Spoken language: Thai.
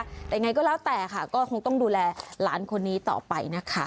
แต่ยังไงก็แล้วแต่ค่ะก็คงต้องดูแลหลานคนนี้ต่อไปนะคะ